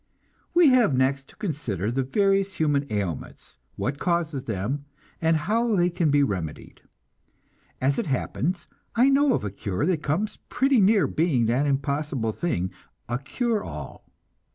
We have next to consider the various human ailments, what causes them, and how they can be remedied. As it happens, I know of a cure that comes pretty near being that impossible thing, a "cure all."